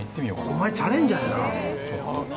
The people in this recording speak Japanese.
お前チャレンジャーやな。